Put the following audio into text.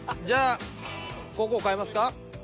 じゃあここを変えますか？